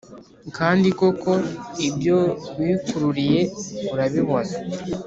Kandi koko ibyo wikururiye urabibona